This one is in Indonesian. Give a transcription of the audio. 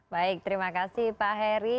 baik terima kasih pak heri